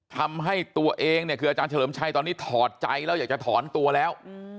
ทำให้ตัวเองเนี่ยคืออาจารย์เฉลิมชัยตอนนี้ถอดใจแล้วอยากจะถอนตัวแล้ว